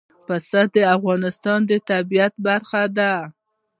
پسه د افغانستان د طبیعت برخه ده.